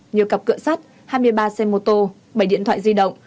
nhiều cặp cửa sắt hai mươi ba xe mô tô bảy điện thoại di động